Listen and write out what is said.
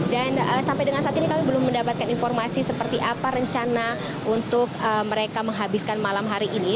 dan sampai dengan saat ini kami belum mendapatkan informasi seperti apa rencana untuk mereka menghabiskan malam hari ini